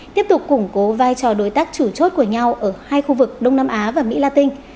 tiếp tục củng cố vai trò đối tác chủ chốt của nhau ở hai khu vực đông nam á và mỹ la tinh